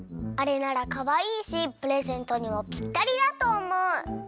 あれならかわいいしプレゼントにもぴったりだとおもう！